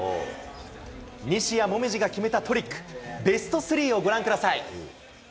西矢椛が決めたトリック、ベスト３をご覧ください。